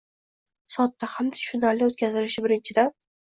sodda hamda tushunarli o‘tkazilishi birinchidan